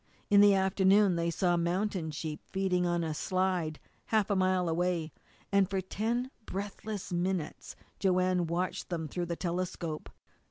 In the afternoon they saw mountain sheep feeding on a slide half a mile away, and for ten breathless minutes Joanne watched them through the telescope.